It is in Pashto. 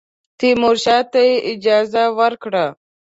تیمورشاه ته یې اجازه ورکړه.